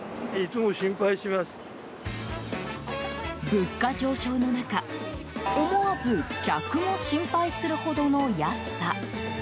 物価上昇の中思わず客も心配するほどの安さ。